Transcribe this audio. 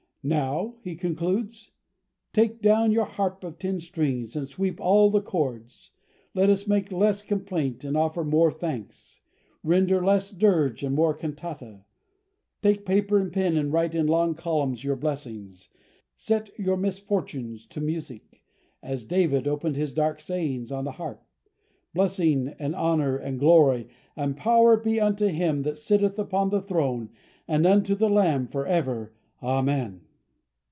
"Now," he concludes, "take down your harp of ten strings and sweep all the chords. Let us make less complaint and offer more thanks; render less dirge and more cantata. Take paper and pen and write in long columns your blessings.... Set your misfortunes to music, as David opened his dark sayings on a harp.... Blessing, and honour and glory and power be unto Him that sitteth upon the throne and unto the Lamb for ever. Amen!"